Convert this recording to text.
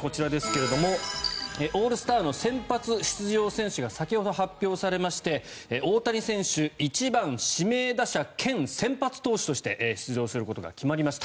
こちらですがオールスターの先発出場選手が先ほど発表されまして大谷選手は１番指名打者兼先発投手として出場することが決まりました。